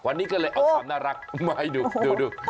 วันนี้ก็เลยเอาความน่ารักมาให้ดูดู